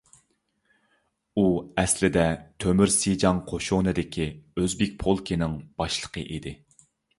ئۇ ئەسلىدە تۆمۈر سىجاڭ قوشۇنىدىكى ئۆزبېك پولكىنىڭ باشلىقى ئىدى.